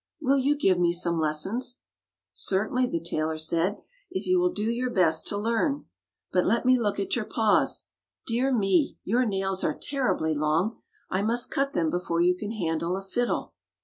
Will you give me some lessons "Certainly," the tailor said, "if you will do your best to learn. But let me look at your paws. Dear me ! your nails are terribly long. I must cut them before you can handle a fiddle."